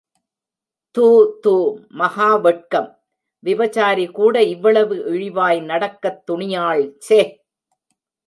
தூ தூ மகாவெட்கம், விபசாரி கூட இவ்வளவு இழிவாய் நடக்கத் துணியாள் சே!